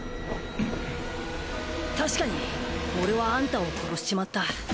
確かに俺はアンタを殺しちまった。